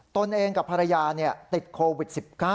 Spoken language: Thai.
ตนเองกับภรรยาติดโควิด๑๙